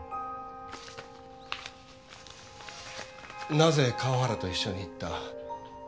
なぜ河原と一緒に行った？